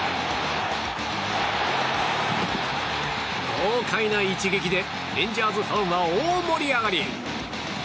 豪快な一撃でレンジャーズファンは大盛り上がり。